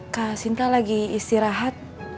kak sinta lagi istirahat